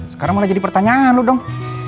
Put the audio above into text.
sekarang mulai jadi pertanyaan lu dong